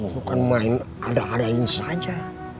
bukan main ada adain saja